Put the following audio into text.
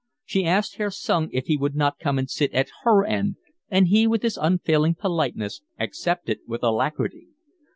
She asked Herr Sung if he would not come and sit at her end, and he with his unfailing politeness accepted with alacrity.